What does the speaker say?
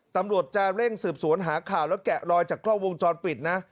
ตำรวจจะเร่งสืบสวนหาข่าวแล้วแกะรอยจากกล้องวงจรปิดนะ